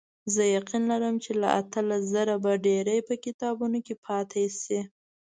زه یقین لرم چې له اتلس زره به ډېرې په کتابونو کې پاتې شي.